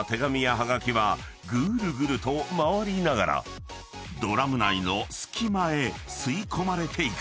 ［ぐるぐると回りながらドラム内の隙間へ吸い込まれていく］